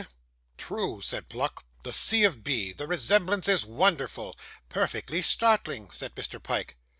'True,' said Pluck, 'the C. of B. The resemblance is wonderful!' 'Perfectly startling,' said Mr. Pyke.